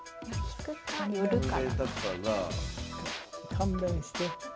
勘弁して。